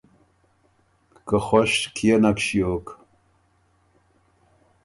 که خؤش کيې نک ݭیوک